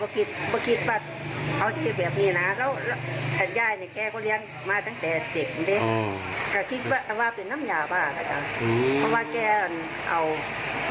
ก็ถือว่าไข่ครับ